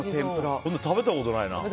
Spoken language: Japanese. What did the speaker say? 食べたことないな。